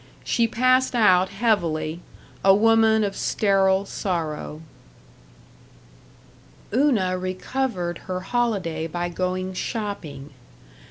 She passed out heavily, a woman of sterile sorrow. § 5 Una recovered her holiday by going shopping.